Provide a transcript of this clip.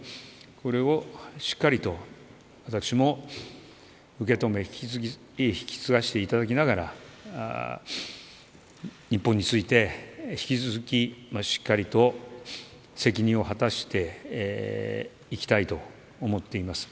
これをしっかりと私も受けとめ引き継がせていただきながら日本について引き続きしっかりと責任を果たしていきたいと思っています。